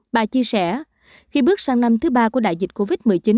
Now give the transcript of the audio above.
bà chia sẻ khi bước sang năm thứ ba của đại dịch covid một mươi chín